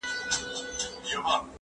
زه اوږده وخت اوبه ورکوم،